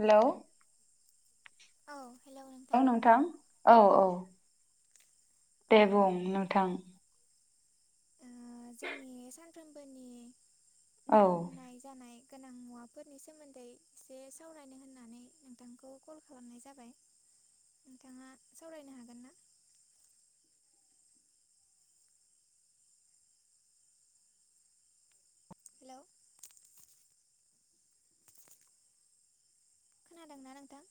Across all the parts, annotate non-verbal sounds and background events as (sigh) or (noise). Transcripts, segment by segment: Hello. औ। औ नोंथां औ औ। औ दे बुं नोंथां। ओ जोंनि सान फ्रोमबोनि औ नांनाय जानाय। गोनां मुवाफोरनि सोमोन्दै एसे सावरायनो होननानै नोंथांखौ कल खालामनाय जाबाय नोंथाङा सावरायनो हागोन ना? हेलौ। खोनादोंना नोंथां?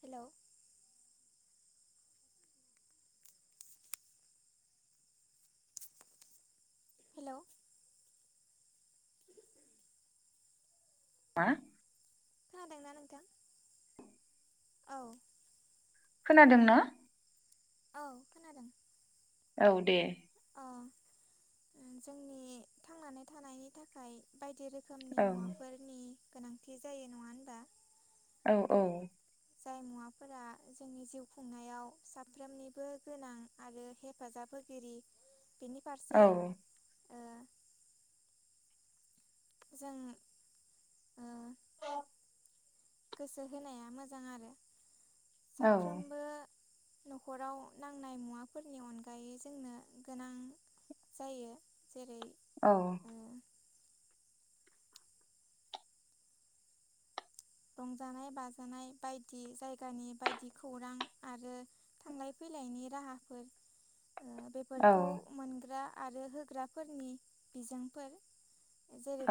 हेलौ। हेलौ। मा? खोनादोंना नोंथां औ। खोनादों ना? औ खोनादों। औ दे। अ जोंनि थांनानै थानायनि थाखाय बाय बायदि रोखोमनि औ मुवाफोरनि गोनांथि जायो नङा होनबा? औ औ। जाय मुवाफोरा जोंनि जिउ खुंनायाव साफ्रोमनिबो गोनां आरो हेफाजाब होगिरि। बेनि औ फारसे ओ जों ओम (inaudible) गोसो होनाया मोजां आरो। औ साफ्रोमबो न'खराव नांनाय मुवाफोरनि अनगायै जोंनो गोनां जायो जेरै औ। ओ रंजानाय बाजानाय बायदि जायगानि बायदि खौरां आरो थांलाय फैलायनि राहाफोर औ बेफोरखौ मोनग्रा आरो होग्राफोरनि बिजोंफोर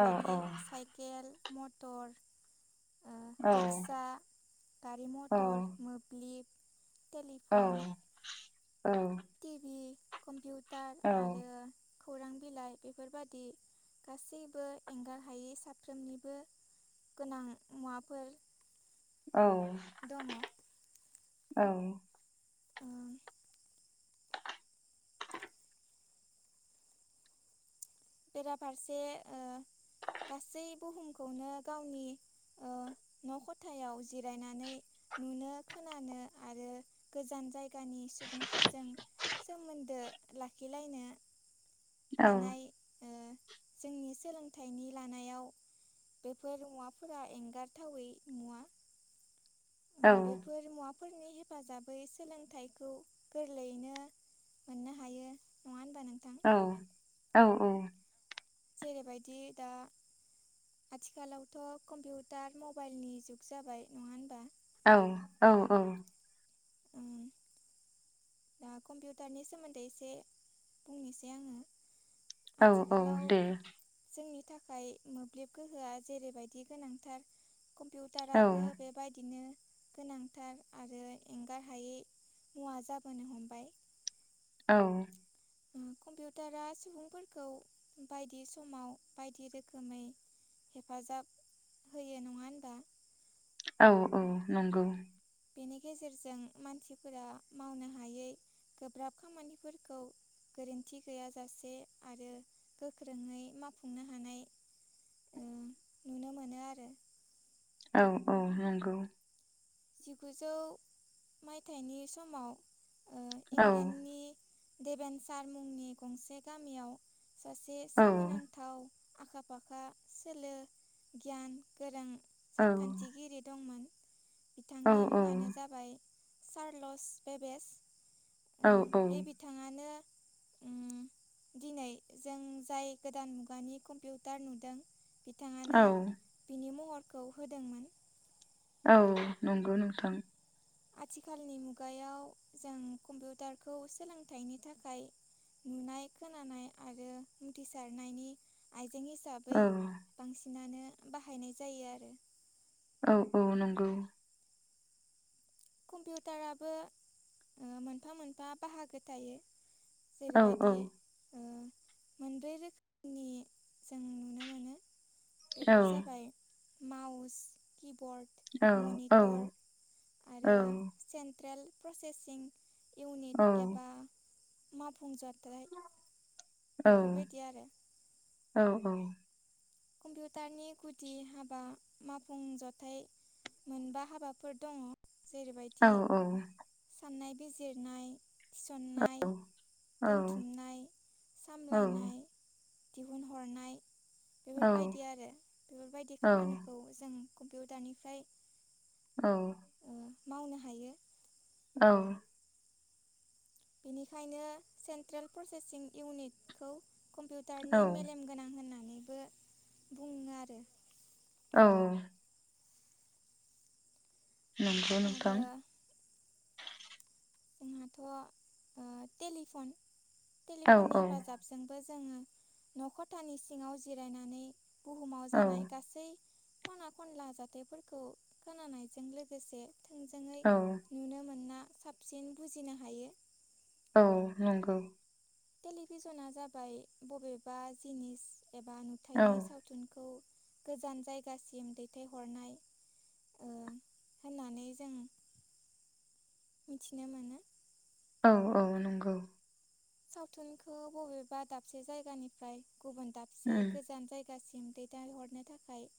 औ साइकेल मटर ओ औ रिक्सा, गारि औ मथर, मोब्लिब औ टेलिफन टि बि कमपिउत औ टार आरो खौरां बिलाइ बेफोरबादि गासैबो एंगार हायि साफ्रोमनिबो गोनां मुवाफोर औ। दङ औ। ओ बेराफारसे ओ गासै बुहुमखौनो गावनि ओ न' खथायाव जिरायनानै नुनो खोनानो आरो गोजान जायगानि सुबुंफोरजों सोमोन्दो लाखिलायनो हानाय ओ जोंनि सोलोंथाइनि लानायाव बेफोर मुवाफोरा एंगारथावै मुवा। ओम बेफोर मुवा फोरनि हेफाजाबै सोलोंथाइखौ गोरलैयैनो मोननो हायो नङा होम औ। औ औ। जेरैबायदि दा आथिखालावथ' कम्पिउटार मबाइलनि जुग जाबाय नङा होनबा? औ औ औ। उम दा कम्पिउटारनि सोमोन्दै एसे बुंनोसै आंङो। औ औ दे। जोंनि थाखाय मोब्लिब गोहोआ जेरैबायदि गोनांथार औ कम्पिउटाराबो बेबायदिनो गोनांथार आरो एंगार हायै मुवा जा औ कम्पिउटारा सुबुंफोरखौ बायदि समाव बायदि रोखोमै हेफाजाब होयो नङा होनबा औ औ नंगौ बेनि गेजेरजों मानसिफोरा मावनो हायै गोब्राब खामानिफोरखौ गोरोन्थि गैयाजासे आरो गोख्रोङै मावफुंनो हानाय नुनो मोनो आरो औ औ नंगौ जिगुजौ मायथाइनि समाव औ देबेनसार मुंनि गंसे गामियाव सासे औ सोमोनांथाव आखा फाखा सोलो गियान गोरों औ सानखान्थिगिरि दंमोन औ बिथांनि औ मुङानो जाबाय चारलस भेबेस औ उम औ बे बिथाङानो उम दिनै जों जाय गोदान मुगानि कम्पिउटार नुदों औ बिथाङानो बिनि महर खौ होदोंमोन औ नंगौ नोंथां आथिखालनि मुगायाव जों कम्पिउटारखौ सोलोंथाइनि थाखाय नुनाय खोनानाय आरो उथ्रिसारनायनि आइ जें हिसाबै औ बांसिन नानो बाहायनाय जायो आरो औ औ नंगौ कम्पिउटाराबो ओ मोनफा मोनफा बाहागो थायो औ औ जेरैबायदि ओ मोनब्रै रोखोमनि जों नुनो मोनो औ बेफोर जाबाय मउस कि बर्ड औ मनिटर औ सेनट्रेल प्रसेसिं औ इउनिट एबा (unintelligible) ओम्रफ्राय औ बेफोरबायदि आरो औ औ। कम्पिउटारनि गुदि हाबा मावफुंजाथाइ मोनबा हाबाफोर दङ' जेरैबायदि साननाय बिजिरनाय थिसननाय औ दोनथुमनाय सामलायनाय दिहुनहरनाय। बेफोरबायदि आरो बेफोरबायदि औ खामानिखौ जों कम्पिउटार निफ्राय औ। मावनो हायो। औ। बेनिखायनो सेन्ट्रेल प्रसेसिं इउनिटखौ कम्पिउटारनि औ मेलेम गोनां होननानै होननानैबो बुङो आरो। औ। नंगौ आरो नोंथां। जोंहाथ' ओ टेलिफन औ टेलिफननि औ हेफाजाबजों बो जोंङो न' ख'थानि सिङाव जिरायनानै बुहुमाव औ जानाय गासै खना खनला जाथायफोरखौ खोनानायजों लोगोसे थोंजोङै नुनो मोनना साबसिन बुजिनो हायो। औ नंगौ। टेलिभिसना जाबाय बबेबा जिनिस एबा औ नुथायाइनि सावथुनखौ गोजान जायगासिम दैथायहरनाय ओ होननानै जों मिथिनो मोनो। औ औ नंगौ। सावथुनखौ बबेबा दाबसे जायगानिफ्राय गुबुन उम दाबसे गोजान जायगा जायगासिम दैथायहरनो थाखाय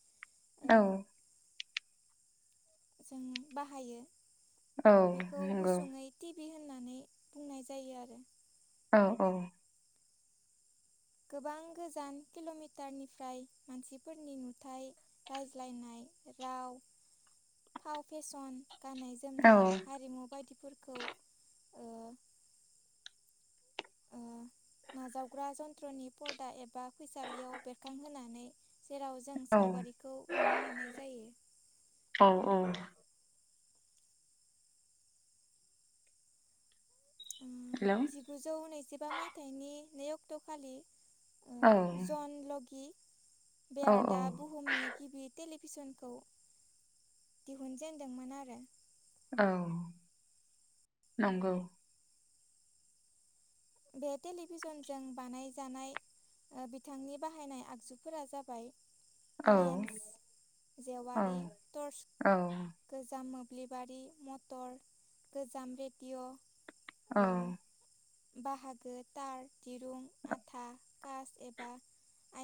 औ। ओ जों बाहायो। औ नंगौ। भि होननानै बुंनाय जायो आरो। औ औ। गोबां गोजान किल'मिटारनिफ्राय मानसिफोरनि नुथाय रायज्लायनाय राव फाव फेसन गाननाय औ जोमनाय हारिमु बायदिफोरखौ ओ ओ नाजावग्रा जन्थ्रनि परदा एबा फैसालियाव बेरखांहोनानै जेराव जों सावगारिखौ नुनो मोननाय जायो। औ औ हेलौ जिगुजौ नैजिबा मायथाइनि नै अक्ट खालि ओ औ जनलगि औ बेहा औ आर्दा बुहुमनि गिबि तेलि फिसनखौ दिहुनजेनदोंमोन आरो औ नंगौ बे टेलिभिजनजों बानायजानाय ओ बिथांनि बाहायनाय आगजुफोरा जाबाय औ लेन्स औ जेवारि टर्च औ गोजा मोब दिलिबारि मटर गोजाम रेडिअ औ बाहागो तार दिरुं आथा कास एबा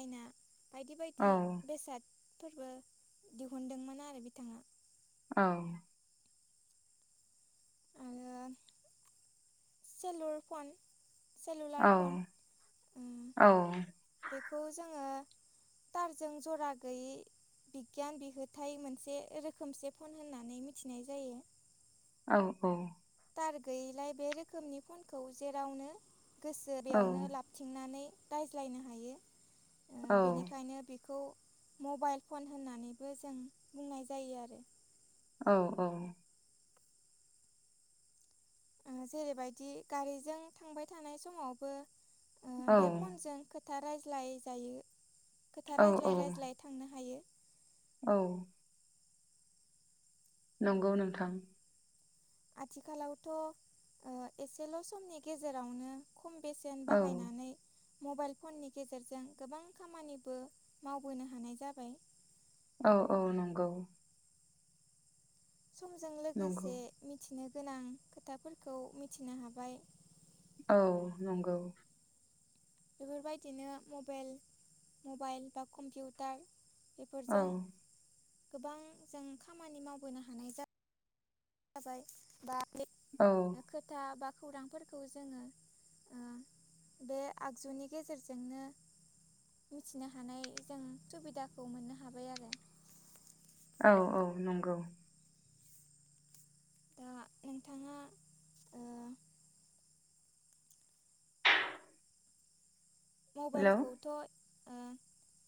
आयना बायदि औ बायदि बेसाद फोरबो दिहुनदोंमोन आरो बिथाङा औ आरो सेलुर फन औ सेलुलार फन ओ बेखौ जोङो थारजों जरा गैयै बिगियान बिहोथाय मोनसे रोखोमसे फन होननानै मिथिनाय जायो औ औ थार गैयिलाय बे रोखोमनि फनखौ जेरावनो गोसो बेयावनो लाबथिंनानै रायज्लायनो हायो बेनिखायनो बिखौ मबाइल फन होननानैबो जों बुंनाय जायो आरो औ-औ जेरैबायदि गारिजों थांबाय थानाय समावबो ओ औ बे फनजों खोथा रायज्लाय जायो खोथा औ रायज्लाय रायज्लाय थांनो हायो औ नंगौ नोंथां आथिखालावथ' ओ एसेल' समनि गेजेरावनो खम बेसेन औ बाहायनानै मबाइल फननि गेजेरजों गोबां खामानिबो मावबोनो हानाय जाबाय औ औ नंगौ। समजों नंगौ लोगोसे मिथिनो गोनां खोथाफोरखौ मिथिनो हाबाय औ नंगौ। बेफोरबायदिनो मबेल मबाइल बा कम्पिउटार औ बेफोरजों गोबां जों खामानि मावबोनो हानाय जा जाबाय बा ग्लिब औ खोथा बा खौरांफोरखौ जोङो ओ बे आगजुनि गेजेरजोंनो मिथिनो हानाय जों सुबिदाखौ मोननो हाबाय आरो। औ औ नंगौ। दा नोंथाङा ओ हेलौ मबाइलखौथ' ओ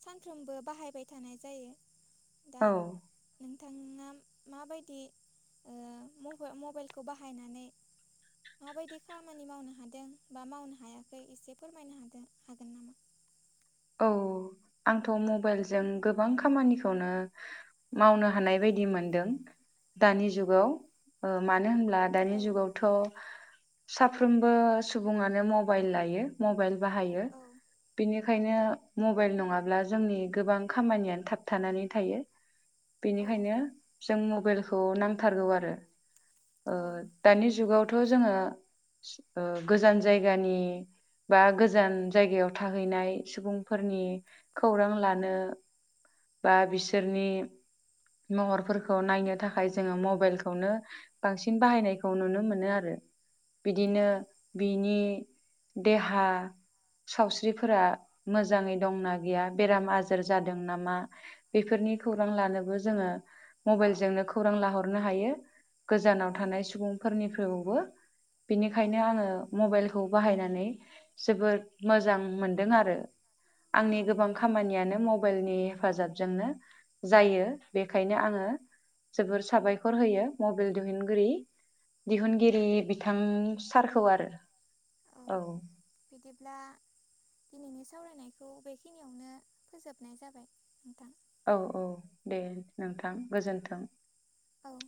सानफ्रोमबो बाहायबाय थानाय जायो। दा औ नोंथाङा माबायदि ओ मफो मबाइलखौ बाहायनानै माबायदि खामानि मावनो हादों बा मावनो हायाखै एसे फोरमायनो हादों (inaudible) औ आंथ' मबाइलजों गोबां खामानिखौनो मावनो हानाय बायदि मोनदों दानि जुगाव ओ मान नो होनब्ला दानि औ जुगावथ' साफ्रोमबो सुबुङानो मबाइल लायो मबाइल बाहायो औ बिनि ओंखायनो मबाइल नङाब्ला जोंनि गोबां खामानियानो थाबथानानै थायो। औ बेनिखायनो जों मबाइलखौ नांथारगौ आरो। ओ‌ औ दानि जुगाव थ' जोङो ओ गोजान जायगानि बा गोजान जायगायाव थाहैनाय सुबुंफोरनि खौरां लानो बा बिसोरनि महरफोरखौ नायनो थाखाय जोङो मबाइलखौनो बांसिन बाहायनायखौ नुनो मोनो आरो। बिदिनो औ बिनि देहा सावस्रिफोरा मोजाङै दंना गैया बेराम आजार जादों नामा बेफोरनि खौरां लानोबो जोङो मबाइलजोंनो खौरां लाहरनो हायो। गोजानाव औ थानाय सुबुंफोरनिफ्रौबो औ बेनिखायनो आङो मबाइलखौ बाहायनानै जोबोद मोजां मोनदों आरो। आंनि गोबां खामानियानो मबाइलनि हेफाजाबजोंनो जायो बेखायनो आङो जोबोर साबायखर होयो मबाइल दिहुनगिरि दिहुनगिरि बिथां सारखौ आरो औ बिब्ला दिनैनि सावरायनायखौ बेखिनियावनो फोजोबनाय जाबाय नोंथां। औ औ दे नोंथां गोजोन्थों। औ